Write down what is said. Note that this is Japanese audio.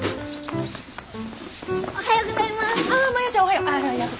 おはようございます。